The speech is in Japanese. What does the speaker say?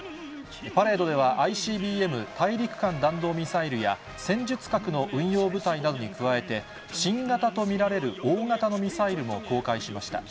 パレードでは、ＩＣＢＭ・大陸間弾道ミサイルや、戦術核の運用部隊などの新型と見られる大型のミサイルも公開しました。